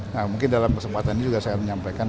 nah mungkin dalam kesempatan ini juga saya menyampaikan